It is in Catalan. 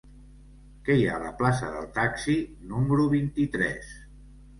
Què hi ha a la plaça del Taxi número vint-i-tres?